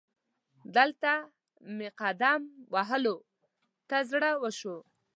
دلته مې هم قدم وهلو ته زړه وشو.